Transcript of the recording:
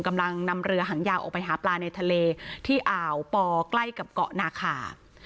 กำลังนำเรือหางยาวออกไปหาปลาในทะเลที่อ่าวปอใกล้กับเกาะนาคา